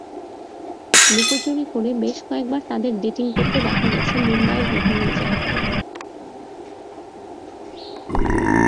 লুকোচুরি করে বেশ কয়েকবার তাঁদের ডেটিং করতে দেখা গেছে মুম্বাইয়ের বিভিন্ন জায়গায়।